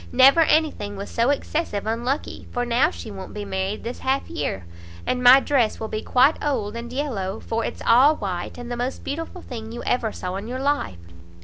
Never any thing was so excessive unlucky, for now she won't be married this half year, and my dress will be quite old and yellow; for it's all white, and the most beautiful thing you ever saw in your life."